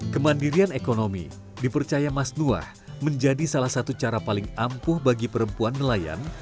kemandirian ekonomi dipercaya mas nuah menjadi salah satu cara paling ampuh bagi perempuan nelayan